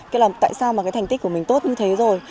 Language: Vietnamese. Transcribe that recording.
thế là tại sao mà cái thành tích của mình tốt như thế rồi